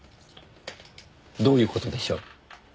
どういう事でしょう？